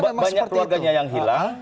banyak keluarganya yang hilang